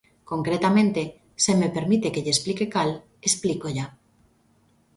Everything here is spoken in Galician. Concretamente, se me permite que lle explique cal, explícolla.